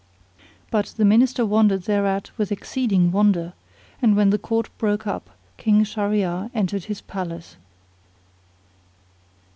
But the Minister wondered thereat with exceeding wonder; and when the Court broke up King Shahryar entered his palace.